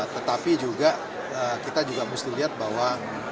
tetapi juga kita juga mesti lihat bahwa